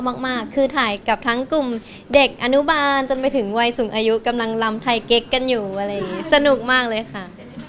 ก็สนุกค่ะเพราะว่าเป็นโฆษณาที่ได้เต้นเยอะที่สุดเลยค่ะ